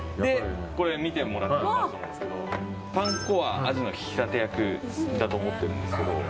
見てもらうと分かると思うんですけどパン粉は、アジの引き立て役だと思ってるんですけど。